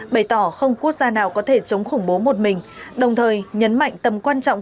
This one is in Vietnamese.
bày tỏ không quốc gia nào có thể chống khủng bố một mình đồng thời nhấn mạnh tầm quan trọng